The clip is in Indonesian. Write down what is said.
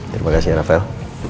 terima kasih ya rafael